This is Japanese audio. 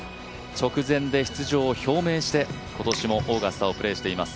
直前で出場を表明して、今年もオーガスタをプレーしています。